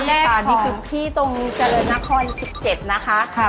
ร้านแรกของพี่ตรงเจริญนคร๑๗นะคะ